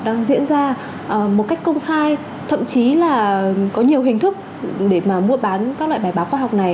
đang diễn ra một cách công khai thậm chí là có nhiều hình thức để mà mua bán các loại bài báo khoa học này